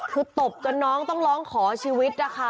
คือตบจนน้องต้องร้องขอชีวิตนะคะ